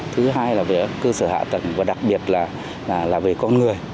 thứ hai là về cơ sở hạ tầng và đặc biệt là về con người